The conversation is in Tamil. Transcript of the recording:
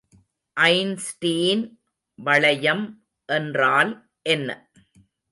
ஐன்ஸ்டீன் வளையம் என்றால் என்ன?